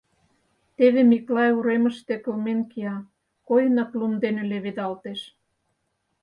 Теве Миклай уремыште кылмен кия, койынак лум дене леведалтеш...